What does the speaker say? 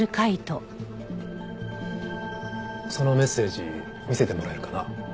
そのメッセージ見せてもらえるかな？